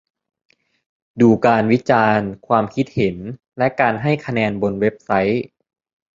ดูการวิจารณ์ ความคิดเห็น และการให้คะแนนบนเว็บไซต์